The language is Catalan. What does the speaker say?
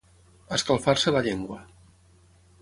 Escalfar-se la llengua.